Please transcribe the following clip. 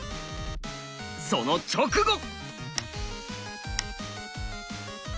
その直後！